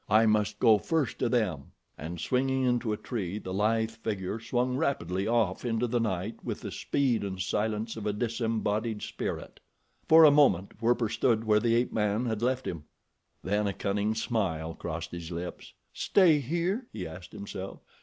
I must go first to them," and swinging into a tree the lithe figure swung rapidly off into the night with the speed and silence of a disembodied spirit. For a moment Werper stood where the ape man had left him. Then a cunning smile crossed his lips. "Stay here?" he asked himself.